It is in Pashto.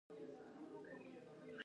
زولوژی د حیواناتو پوهنه ده